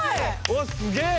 おっすげえ。